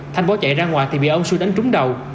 thanh bó chạy ra ngoài thì bị ông xuân đánh trúng đầu